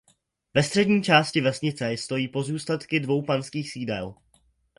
Ve střední části vesnice stojí pozůstatky dvou panských sídel.